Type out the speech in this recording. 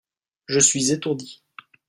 Je suis étourdi.